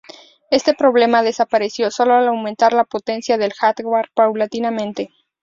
Este problema desapareció solo al aumentar la potencia del hardware paulatinamente.